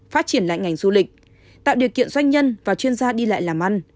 phát triển lại ngành du lịch tạo điều kiện doanh nhân và chuyên gia đi lại làm ăn